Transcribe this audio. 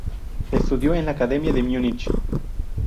Estudió en la Academia de Múnich.